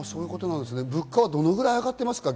物価はどのくらい上がっていますか？